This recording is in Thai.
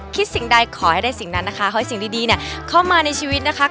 สิ่งใดขอให้ได้สิ่งนั้นนะคะขอให้สิ่งดีเนี่ยเข้ามาในชีวิตนะคะ